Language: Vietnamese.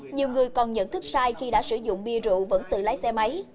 nhiều người còn nhận thức sai khi đã sử dụng bia rượu vẫn tự lái xe máy